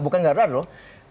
bukan gak ada loh